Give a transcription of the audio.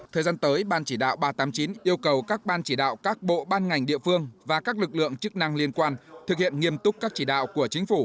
thời gian tới ban chỉ đạo ba trăm tám mươi chín yêu cầu các ban chỉ đạo các bộ ban ngành địa phương và các lực lượng chức năng liên quan thực hiện nghiêm túc các chỉ đạo của chính phủ